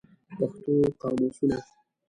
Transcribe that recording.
پښتو قاموسونه